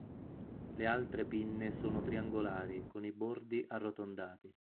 Le altre pinne sono triangolari con i bordi arrotondati.